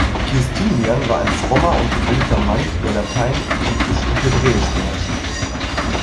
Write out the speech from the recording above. Giustinian war ein frommer und gebildeter Mann, der Latein, Griechisch und Hebräisch beherrschte.